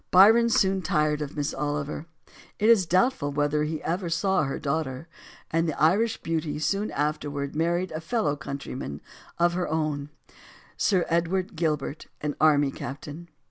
Byron soon tired of Miss Oliver it is doubtful whether he ever saw her daughter and the Irish beauty soon afterward married a fellow countryman of her own Sir Edward Gilbert, an army captain.